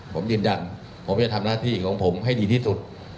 ผมยืนยันผมจะทำหน้าที่ของผมให้ดีที่สุด